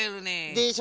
でしょ！